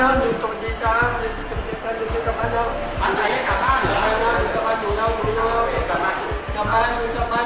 อัศวินไทยอัศวินไทยอัศวินไทยอัศวินไทยอัศวินไทยอัศวินไทยอัศวินไทย